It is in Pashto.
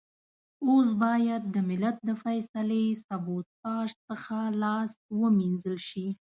اوس بايد د ملت د فيصلې سبوتاژ څخه لاس و مينځل شي.